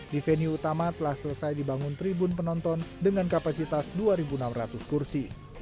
di venue utama telah selesai dibangun tribun penonton dengan kapasitas dua enam ratus kursi